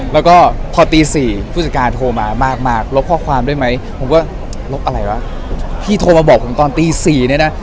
แล้วก็พอตี๔ผู้จัดการโทรมามากลบข้อความได้ไหมผมก็ลบอะไรวะพี่โทรมาบอกผมตอนตี๔เนี่ยนะ